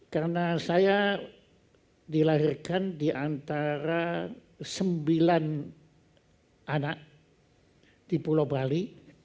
karena saya dilahirkan diantara sembilan anak di pulau bali